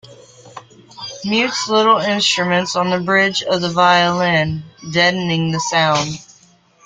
Mutes little instruments on the bridge of the violin, deadening the sound.